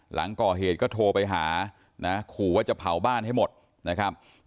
หลังก่อเหตุก็โทรไปหานะขู่ว่าจะเผาบ้านให้หมดนะครับ